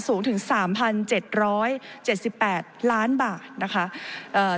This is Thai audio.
สูงถึงสามพันเจ็ดร้อยเจ็ดสิบแปดล้านบาทนะคะเอ่อ